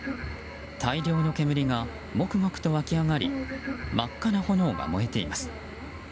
大量の煙がもくもくと湧き上がり真っ赤な炎が燃えています。